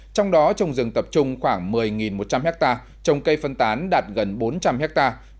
trong đó trồng rừng tập trung khoảng một mươi một trăm linh hectare trồng cây phân tán đạt gần bốn trăm linh hectare